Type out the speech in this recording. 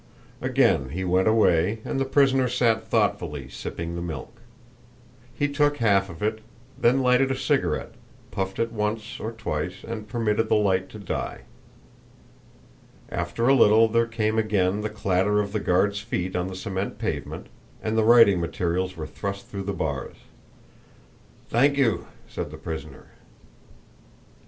Again he went away and the prisoner sat thoughtfully sipping the milk. He took half of it, then lighted a cigarette, puffed it once or twice and permitted the light to die. After a little there came again the clatter of the guard's feet on the cement pavement, and the writing materials were thrust through the bars. "Thank you," said the prisoner.